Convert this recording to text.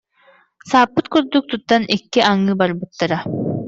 Сааппыт курдук туттан икки аҥыы барбыттара